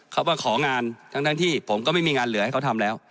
เขาก็ของานทั้งที่ผมก็ไม่มีงานเหลือให้เขาทำแล้ว